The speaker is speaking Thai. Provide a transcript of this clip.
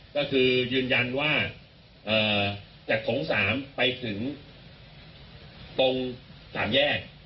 ก็คือยืนยันว่าเอ่อจากถงสามไปถึงตรงสามแยก